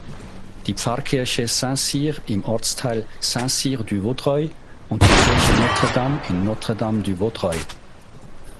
Die Pfarrkirche Saint-Cyr im Ortsteil Saint-Cyr-du-Vaudreuil und die Kirche Notre-Dame in Notre-Dame-du-Vaudreuil.